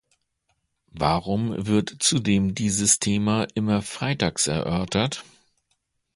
Warum wird zudem dieses Thema immer freitags erörtert?